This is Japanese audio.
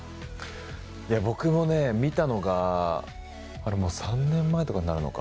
僕もね見たのがあれもう３年前とかになるのか。